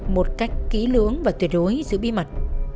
một cách kỹ lưỡng và tuyệt đối giữ bí mật